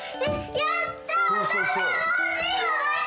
やった！